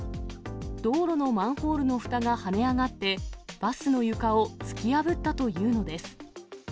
道路のマンホールのふたが跳ね上がって、バスの床を突き破ったというのです。